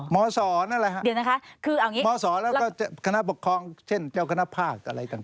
มศหรอเดี๋ยวนะฮะมศแล้วก็คณะปกครองเช่นเจ้าคณะภาคอะไรจัง